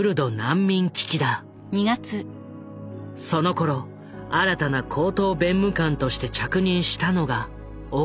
そのころ新たな高等弁務官として着任したのが緒方。